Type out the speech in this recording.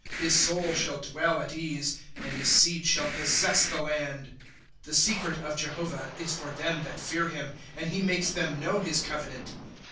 " His soul shall dwell at ease. And his seed shall possess the land. '* The secret of Jehovah is for them that fear him. And he makes them know his covenant.